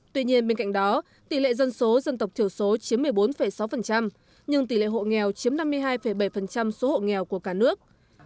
tuy nhiên bên cạnh đó tỷ lệ dân số dân tộc thiểu số chiếm một mươi bốn sáu nhưng tỷ lệ hộ nghèo chiếm năm mươi hai bảy số hộ nghèo của cả nước